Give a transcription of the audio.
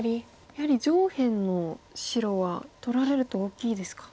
やはり上辺の白は取られると大きいですか。